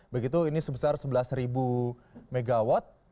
begitu ini sebesar sebelas megawatt